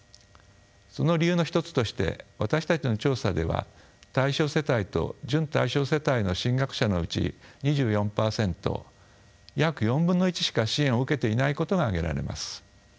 その理由の一つとして私たちの調査では対象世帯と準対象世帯の進学者のうち２４％約４分の１しか支援を受けていないことが挙げられます。